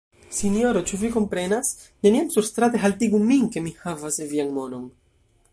Sinjoro, ĉu vi komprenas? Neniam surstrate haltigu min ke mi havas vian monon.